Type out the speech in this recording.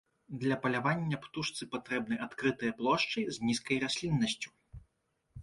Для палявання птушцы патрэбны адкрытыя плошчы з нізкай расліннасцю.